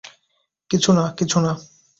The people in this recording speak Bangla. কিছু না, কিছু না।